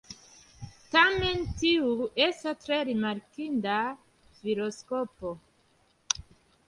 Tamen tiu estas tre rimarkinda filoskopo.